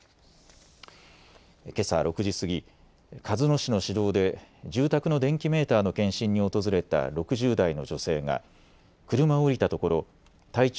けさ６時過ぎ、鹿角市の市道で住宅の電気メーターの検針に訪れた６０代の女性が車を降りたところ体長